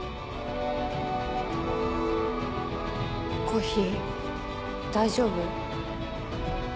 コッヒー大丈夫？